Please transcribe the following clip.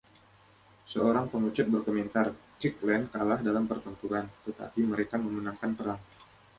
Seorang pengecut berkomentar: "Kirkland kalah dalam pertempuran, tetapi mereka memenangkan perang".